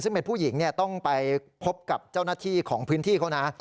ซึ่งเป็นผู้หญิงต้องไปพบกับเจ้าหน้าที่ของพื้นที่เขานะ